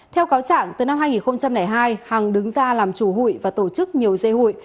theo cáo chẳng từ năm hai nghìn hai hằng đứng ra làm chủ hủy và tổ chức nhiều dây hủy